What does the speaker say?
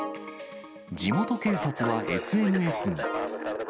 地元警察はＳＮＳに。